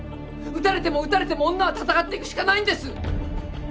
打たれても打たれても女は戦っていくしかないんです！